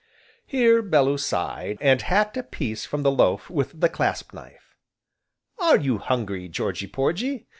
Here Bellew sighed, and hacked a piece from the loaf with the clasp knife. "Are you hungry, Georgy Porgy?"